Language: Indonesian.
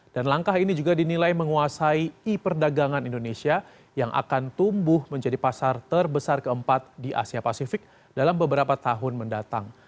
dan langkah ini juga dinilai menguasai e perdagangan indonesia yang akan tumbuh menjadi pasar terbesar keempat di asia pasifik dalam beberapa tahun mendatang